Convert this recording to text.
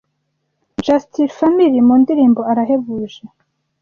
Just Family mu ndirimbo Arahebuje